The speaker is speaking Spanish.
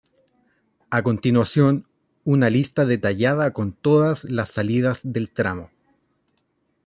A continuación, una lista detallada con todas las salidas del tramo